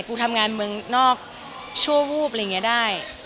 กูทำงานเมืองนอกชั่ววูบอะไรอย่างนี้ได้